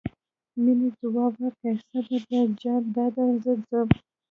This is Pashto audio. مينې ځواب ورکړ سمه ده جان دادی زه ځم.